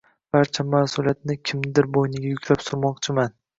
barcha mas’uliyatni kimnidir egniga yuklab surmoqchiman